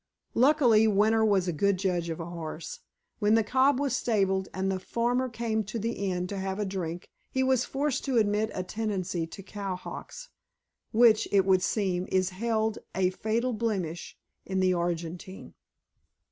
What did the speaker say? Luckily, Winter was a good judge of a horse. When the cob was stabled, and the farmer came to the inn to have a drink, he was forced to admit a tendency to cow hocks, which, it would seem, is held a fatal blemish in the Argentine.